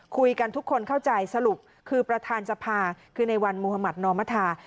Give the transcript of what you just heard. คุยกันทุกคนเข้าใจสรุปคือประธานสภาคือในวันมุธมัธนอมธา